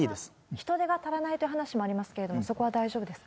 人手が足らないという話もありますけれども、そこは大丈夫ですか？